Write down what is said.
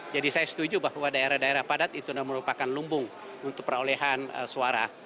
jadi saya setuju bahwa daerah daerah padat itu sudah merupakan lumbung untuk perolehan suara